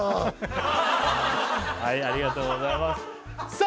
はいありがとうございますさあ